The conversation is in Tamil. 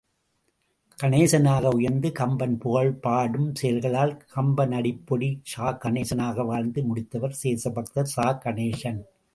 கணேசனாக உயர்ந்து, கம்பன் புகழ்பாடும் செயல்களால் கம்பனடிப்பொடி சா.கணேசனாக வாழ்ந்து முடித்தவர் தேசபக்தர் சா.கணேசன்.